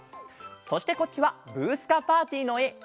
そしてこっちは「ブー！スカ・パーティー」のえ。